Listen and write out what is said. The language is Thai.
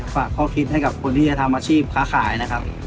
ฝากข้อคิดให้กับคนที่จะทำอาชีพค้าขายนะครับ